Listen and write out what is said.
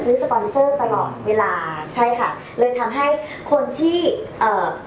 สปอนเซอร์ตลอดเวลาใช่ค่ะเลยทำให้คนที่เอ่อ